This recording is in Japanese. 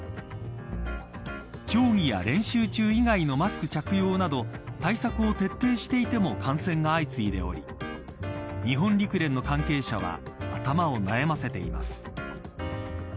競技や練習中以外のマスク着用など対策を徹底していても感染が相次いでおり日本陸連の関係者は頭を悩ませています。